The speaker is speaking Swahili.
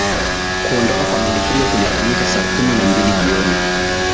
kuondoka kwa meli hiyo kulifanyika saa kumi na mbili jioni